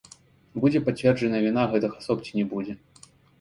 Будзе пацверджаная віна гэтых асоб ці не будзе.